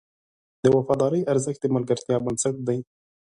د وفادارۍ ارزښت د ملګرتیا بنسټ دی.